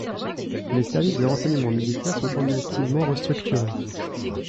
Les services de renseignements militaires sont clandestinement restructurés.